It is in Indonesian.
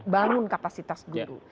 bangun kapasitas guru